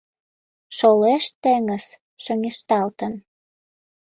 Шолеш теҥыз шоҥешталтын